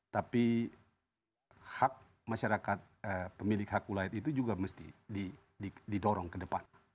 tapi hak masyarakat pemilik hak ulayat itu juga mesti didorong ke depan